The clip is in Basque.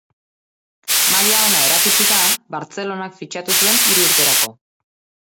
Maila ona erakutsita, Bartzelonak fitxatu zuen hiru urterako.